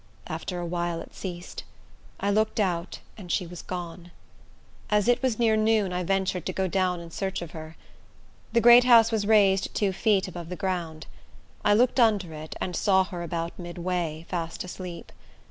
After a while it ceased. I looked out, and she was gone. As it was near noon, I ventured to go down in search of her. The great house was raised two feet above the ground. I looked under it, and saw her about midway, fast asleep.